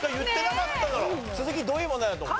続きどういう問題だと思った？